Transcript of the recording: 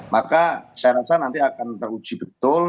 maka saya rasa nanti akan teruji betul